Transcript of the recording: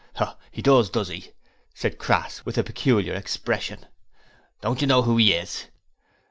'Oh, he does, does he?' said Crass, with a peculiar expression. 'Don't you know who he is?'